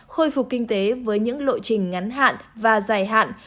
khôi phục kinh tế với những lộ trình ngắn hạn và dài hạn